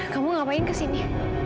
kamu ngapain kesini